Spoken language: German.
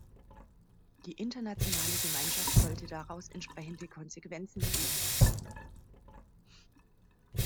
Die internationale Gemeinschaft sollte daraus entsprechende Konsequenzen ziehen.